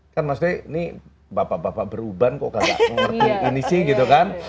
kan maksudnya ini bapak bapak beruban kok kayak ngerti ini sih gitu kan